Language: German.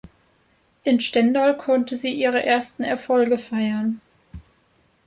In Stendal konnte sie ihre ersten Erfolge feiern.